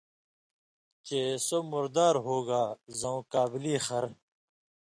چہ سو مردار ہوگا زؤں کابلی خر